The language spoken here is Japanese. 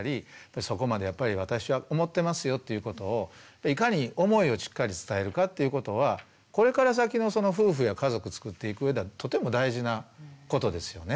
そこまでやっぱり私は思ってますよということをいかに思いをしっかり伝えるかっていうことはこれから先の夫婦や家族つくっていく上でとても大事なことですよね。